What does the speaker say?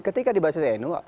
ketika di basisnya nu